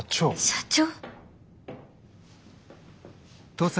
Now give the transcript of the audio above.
社長！？